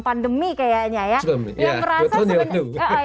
pandemi kayaknya ya sebelum ya dua tahun